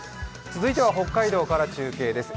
続いては北海道から中継です。